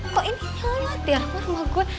kok ini nyelamat ya rumah gue